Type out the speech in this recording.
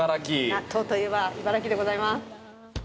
納豆といえば茨城でございます。